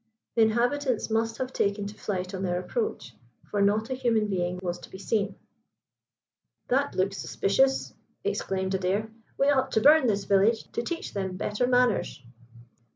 The inhabitants must have taken to flight on their approach, for not a human being was to be seen. "That looks suspicious," exclaimed Adair. "We ought to burn this village to teach them better manners."